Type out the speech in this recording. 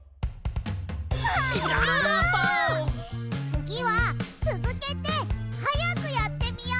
つぎはつづけてはやくやってみよ！